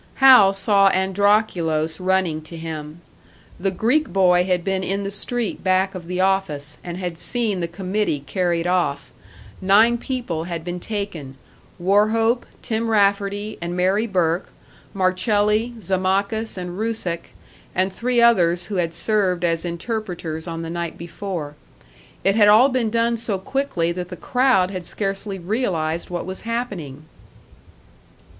Hal saw Androkulos running to him. The Greek boy had been in the street back of the office, and had seen the committee carried off; nine people had been taken Wauchope, Tim Rafferty, and Mary Burke, Marcelli, Zammakis and Rusick, and three others who had served as interpreters on the night before. It had all been done so quickly that the crowd had scarcely realised what was happening.